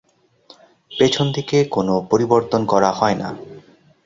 পেছন দিকে কোন পরিবর্তন করা হয়না।